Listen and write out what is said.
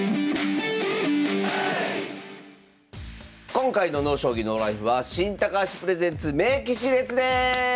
今回の「ＮＯ将棋ＮＯＬＩＦＥ」は「新・高橋プレゼンツ名棋士列伝」！